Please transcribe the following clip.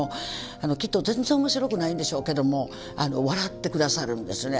きっと全然面白くないんでしょうけども笑って下さるんですね。